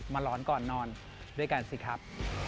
หลอนก่อนนอนด้วยกันสิครับ